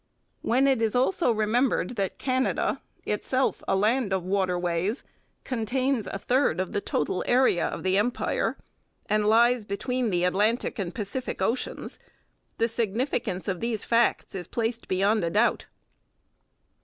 When it is also remembered that Canada, itself a land of waterways, contains a third of the total area of the Empire, and lies between the Atlantic and Pacific oceans, the significance of these facts is placed beyond a doubt.